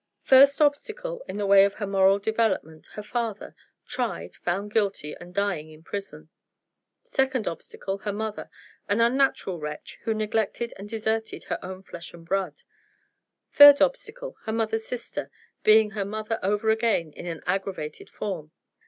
"First obstacle in the way of her moral development, her father tried, found guilty, and dying in prison. Second obstacle, her mother an unnatural wretch who neglected and deserted her own flesh and blood. Third obstacle, her mother's sister being her mother over again in an aggravated form.